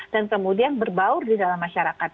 dan kemudian berbaur di dalam masyarakat